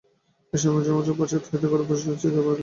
এমন সময় জগমোহন পশ্চাৎ হইতে ঘরে প্রবেশ করিয়া চীৎকার করিলেন, বেরো!